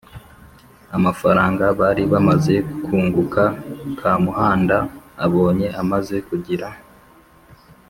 amafaranga bari bamaze kunguka, Kamuhanda abonye amaze kugira